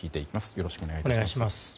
よろしくお願いします。